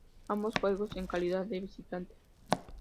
Ambos juegos en calidad de visitante.